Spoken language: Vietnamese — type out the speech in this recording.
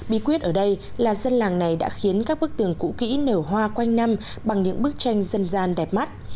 bí quyết ở đây là dân làng này đã khiến các bức tường cũ kỹ nở hoa quanh năm bằng những bức tranh dân gian đẹp mắt